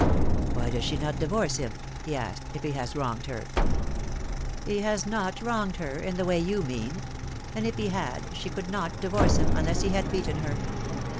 " Why does she not divorce him," he asked, " if he has wronged her ?"" He has not wronged her in the way you mean. And if he had, she could not divorce him, unless he had beaten her.